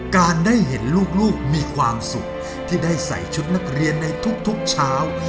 การได้เห็นลูกมีความสุขที่ได้ใส่ชุดนักเรียนในทุกเช้า